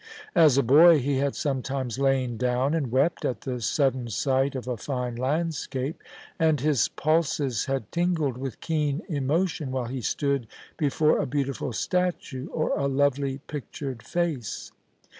As a boy he had sometimes lain down and wept at the sudden sight of a fine landscape ; and his pulses had tingled with keen emotion while he stood before a beautiful statue or a lovely pictured face.